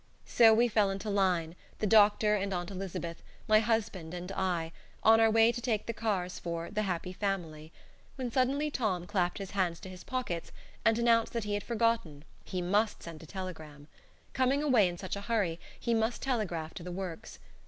So we fell into line, the doctor and Aunt Elizabeth, my husband and I, on our way to take the cars for "The Happy Family," when suddenly Tom clapped his hands to his pockets and announced that he had forgotten he must send a telegram. Coming away in such a hurry, he must telegraph to the Works.